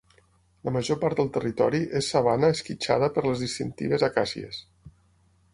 La major part del territori és sabana esquitxada per les distintives acàcies.